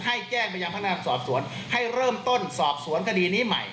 แจ้งไปยังพนักงานสอบสวนให้เริ่มต้นสอบสวนคดีนี้ใหม่